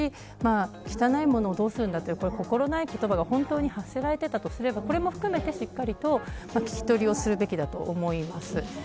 汚いものをどうするんだという心ない言葉が、本当に発せられたとしていればこれも含めてしっかりと聞き取りをするべきだと思います。